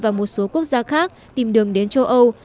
và một số quốc gia khác tìm đường đến châu âu